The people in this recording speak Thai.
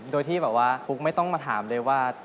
โดยที่ฟุ๊กไม่ต้องมาถามเลยว่า